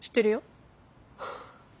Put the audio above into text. はあ。